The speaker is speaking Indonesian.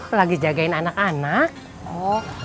assalamualaikum warahmatullahi wabarakatuh